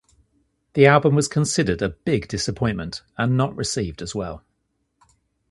The album was considered a "big disappointment" and not received as well.